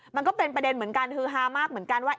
มันก็เป็นประเด็นเหมือนกันฮือฮามากเหมือนกันว่า